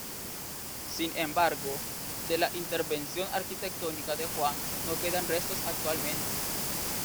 Sin embargo, de la intervención arquitectónica de Juan no quedan restos actualmente.